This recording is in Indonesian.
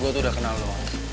gue tuh udah kenal loh